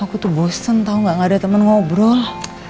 aku tuh bosen tau gak ada teman ngobrol